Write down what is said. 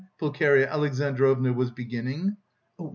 Pulcheria Alexandrovna was beginning.